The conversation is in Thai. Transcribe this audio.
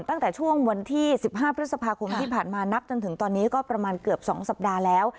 ตั้งแต่ช่วงวันที่๑๕พฤษภาคมที่ผ่านมานับจนถึงตอนนี้ก็ประมาณเกือบ๒สัปดาห์แล้ว